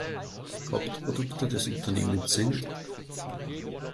Hauptprodukte des Unternehmens sind